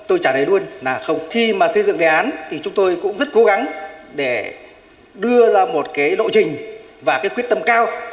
tôi chẳng thấy luôn khi xây dựng đề án chúng tôi cũng rất cố gắng để đưa ra một lộ trình và quyết tâm cao